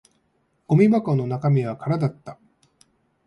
ゴミ箱の中身は空だった